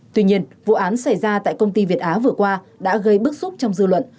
tuy nhiên vụ án xảy ra tại công ty việt á vừa qua đã gây bức xúc trong dư luận